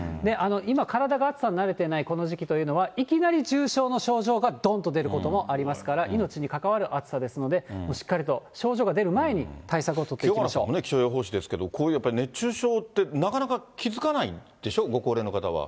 今、体が暑さに慣れてないこの時期というのは、いきなり重症の症状がどんと出ることもありますから、命にかかわる暑さですので、しっかりと症状が出る前に、対策を取清原さんも気象予報士ですけれども、こういうやっぱり熱中症って気付かないんでしょ、ご高齢の方は。